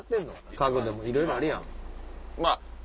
家具でもいろいろあるやん。